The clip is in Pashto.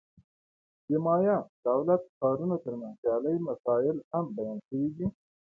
د مایا دولت-ښارونو ترمنځ سیالۍ مسایل هم بیان شوي دي.